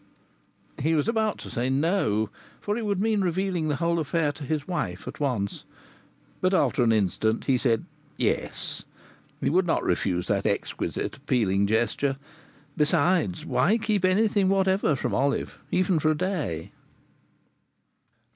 He was about to say "No," for it would mean revealing the whole affair to his wife at once. But after an instant he said "Yes." He would not refuse that exquisite, appealing gesture. Besides, why keep anything whatever from Olive, even for a day?